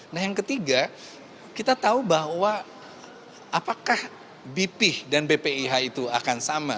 nah yang ketiga kita tahu bahwa apakah bp dan bpih itu akan sama